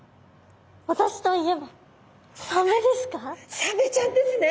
私といえばサメちゃんですね。